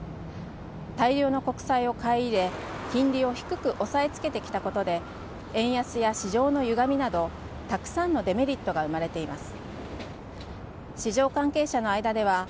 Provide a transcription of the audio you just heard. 大量の国債を買い入れ、金利を低く抑えつけてきたことで、円安や市場のゆがみなど、たくさんのデメリットが生まれています。